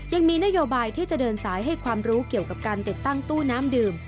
ยังมีนโยบายที่จะเดินสายให้ความรู้เกี่ยวกับการติดตั้งตู้น้ำดื่ม